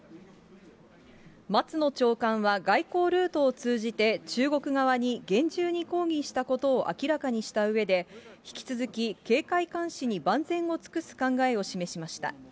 松野長官は外交ルートを通じて、中国側に厳重に抗議したことを明らかにしたうえで、引き続き警戒監視に万全を尽くす考えを示しました。